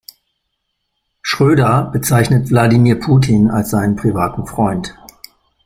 Schröder bezeichnet Wladimir Putin als seinen privaten Freund.